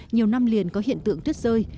nhiều năm liền có hiện tượng rớt rơi